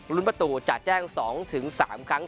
รุ้นประตูจะแจ้ง๒๓ครั้ง